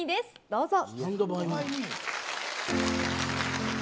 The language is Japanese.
どうぞ。